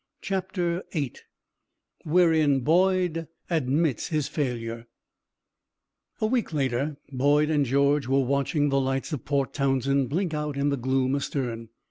CHAPTER VIII WHEREIN BOYD ADMITS HIS FAILURE A week later Boyd and George were watching the lights of Port Townsend blink out in the gloom astern.